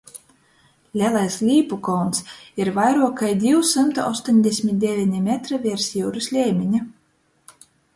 Lelais Līpukolns ir vairuok kai divi symti ostoņdesmit deveni metri viers jiurys leimiņa.